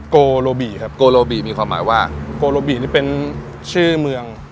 โกโลบิครับโกโลบีมีความหมายว่าโกโลบินี่เป็นชื่อเมือง